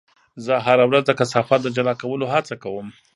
زه هره ورځ د کثافاتو د جلا کولو هڅه کوم.